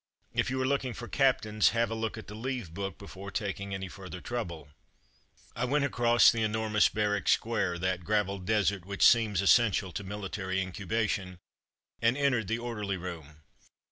If you are looking for captains, have a look at the leave book before taking any further trouble. I went across the enormous barrack square — that gravel desert which seems essential to military incubation — and en tered the orderly room.